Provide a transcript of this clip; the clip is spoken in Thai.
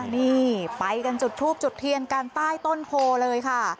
นี่ไปกันจุดทูบจุดเทียนกันใต้ต้นโพเลยค่ะ